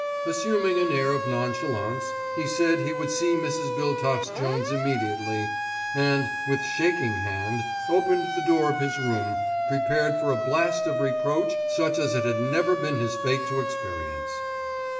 Assuming an air of nonchalance, he said he would see Mrs. Biltox Jones immediately, and, with shaking hand, opened the door of his room, prepared for a blast of reproach such as it had never been his fate to experience.